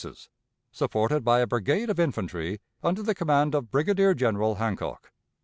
supported by a brigade of infantry under the command of Brigadier General Hancock.